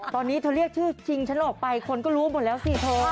ตอนนี้เธอเรียกชื่อชิงฉันออกไปคนก็รู้หมดแล้วสิเธอ